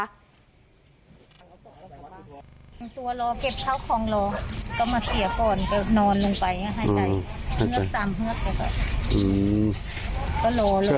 ตัวรอเก็บเท้าของรอก็มาเสียก่อนไปนอนลงไปให้ใจ